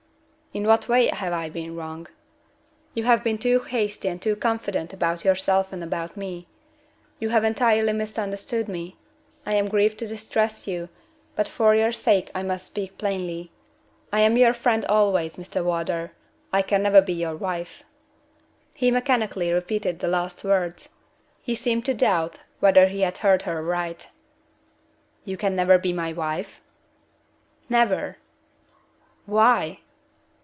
"In what way have I been wrong?" "You have been too hasty and too confident about yourself and about me. You have entirely misunderstood me. I am grieved to distress you, but for your sake I must speak plainly. I am your friend always, Mr. Wardour. I can never be your wife." He mechanically repeated the last words. He seemed to doubt whether he had heard her aright. "You can never be my wife?" "Never!" "Why?"